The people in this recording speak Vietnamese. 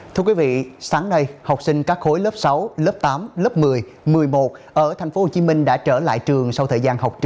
thưa quý vị sáng nay học sinh các khối lớp sáu lớp tám lớp một mươi một mươi một ở tp hcm đã trở lại trường